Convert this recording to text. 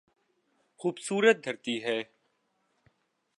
خوبصورت دھرتی ہے۔